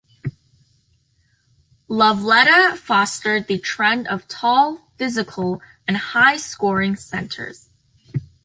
Lovellette fostered the trend of tall, physical and high-scoring centers.